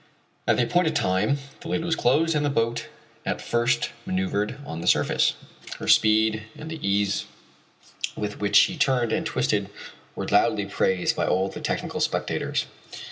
At the appointed time the lid was closed and the boat at first manoeuvred on the surface. Her speed and the ease with which she turned and twisted were loudly praised by all the technical spectators.